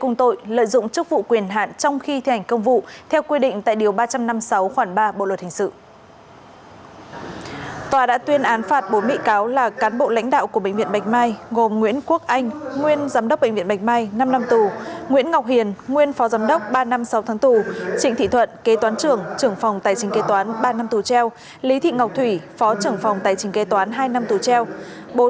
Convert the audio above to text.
nguyễn ngọc hiền nguyên phó giám đốc ba năm sáu tháng tù trịnh thị thuận kế toán trưởng trưởng phòng tài chính kế toán ba năm tù treo lý thị ngọc thủy phó trưởng phòng tài chính kế toán hai năm tù treo